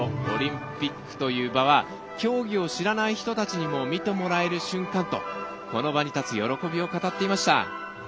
オリンピックという場は競技を知らない人たちにも見てもらえる瞬間とこの場に立つ喜びを語っていました。